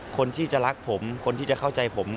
คนที่จะรักผมคนที่จะเข้าใจผม